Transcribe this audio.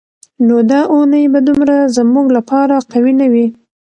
نو دا اونۍ به دومره زموږ لپاره قوي نه وي.